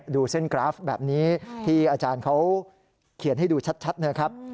ดูเส้นกราฟแบบนี้ที่อาจารย์เขาเขียนให้ดูชัดนะครับ